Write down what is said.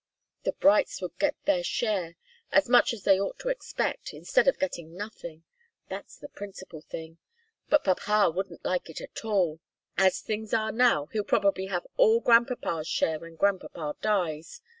"The Brights would get their share as much as they ought to expect instead of getting nothing. That's the principal thing. But papa wouldn't like it at all. As things are now, he'll probably have all grandpapa's share when grandpapa dies.